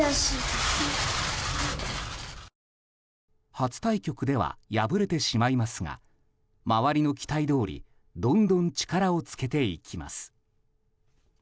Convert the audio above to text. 初対局では敗れてしまいますが周りの期待どおりどんどん力をつけていきます。